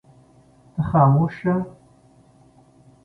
ته خاموش شه.